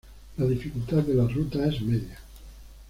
La dificultad de la ruta es media.